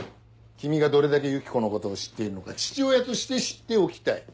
君がどれだけユキコのことを知っているのか父親として知っておきたい。